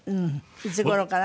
いつ頃から？